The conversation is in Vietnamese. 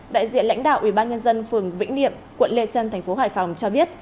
đại diện lãnh đạo ubnd phường vĩnh niệm quận lê trân tp hải phòng cho biết